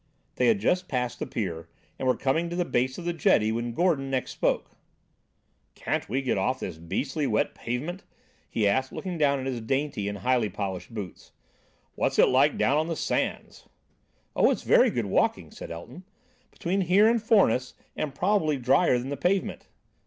They had just passed the pier, and were coming to the base of the jetty, when Gordon next spoke. "Can't we get off this beastly wet pavement?" he asked, looking down at his dainty and highly polished boots. "What's it like down on the sands?" "Oh, it's very good walking," said Elton, "between here and Foreness, and probably drier than the pavement."